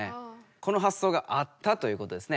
このはっそうがあったということですね